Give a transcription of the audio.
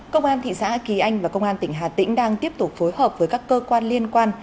công an thị xã kỳ anh và công an tỉnh hà tĩnh đang tiếp tục phối hợp với các cơ quan liên quan